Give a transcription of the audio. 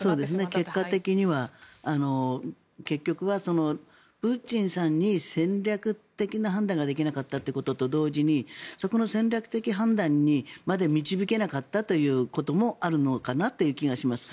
結果的には結局はプーチンさんに戦略的な判断ができなかったということと同時にそこの戦略的判断まで導けなかったこともあるのかなという気がします。